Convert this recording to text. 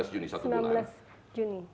sembilan belas juni satu bulan